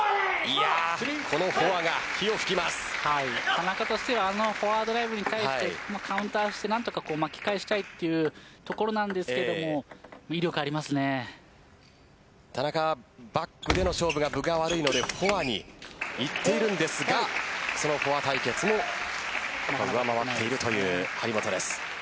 田中としてはあのフォアドライブに対してカウンターして何とか巻き返したいというところなんですけど田中はバックでの勝負は分が悪いのでフォアにいっているんですがそのフォア対決を上回っているという張本です。